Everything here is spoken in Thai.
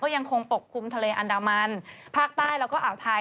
ก็ยังคงอุบอกคุมทะเลอันดามณฝนใกล้แล้วก็อ่าวไทย